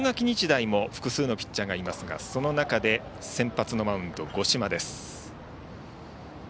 日大も複数のピッチャーがいますがその中で先発のマウンド、五島。